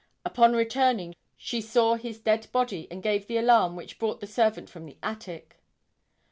Upon returning she saw his dead body and gave the alarm which brought the servant from the attic.